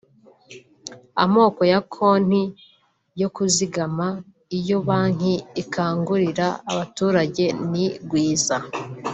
Amoko ya konti yo kuzigama iyo Banki ikangurira abaturage ni Gwiza